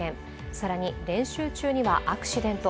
更に練習中にはアクシデント。